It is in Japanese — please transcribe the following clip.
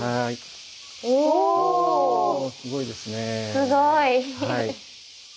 すごい。